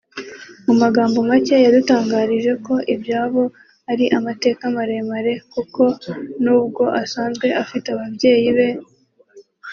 mu magambo macye yadutangarije ko ibyabo ari amateka maremare kuko n’ubwo asanzwe afite ababyeyi be